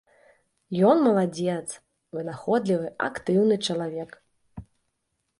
Ён маладзец, вынаходлівы, актыўны чалавек.